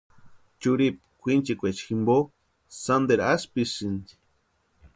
Churhipu kwʼinchikwaecha jimpo sánteru asïpisïnti.